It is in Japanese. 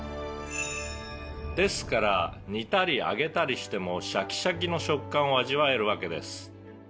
「ですから煮たり揚げたりしてもシャキシャキの食感を味わえるわけです」